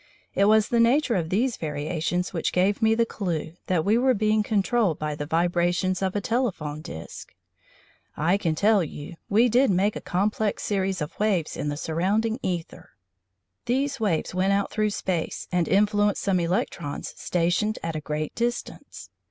It was the nature of these variations which gave me the clue that we were being controlled by the vibrations of a telephone disc. I can tell you we did make a complex series of waves in the surrounding æther! These waves went out through space and influenced some electrons stationed at a great distance.